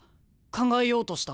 考えようとした。